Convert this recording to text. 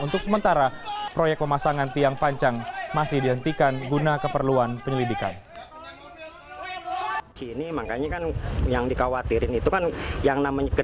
untuk sementara proyek pemasangan tiang panjang masih dihentikan guna keperluan penyelidikan